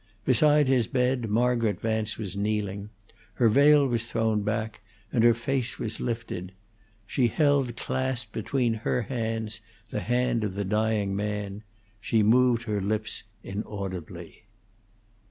Beside his bed Margaret Vance was kneeling; her veil was thrown back, and her face was lifted; she held clasped between her hands the hand of the dying man; she moved her lips inaudibly.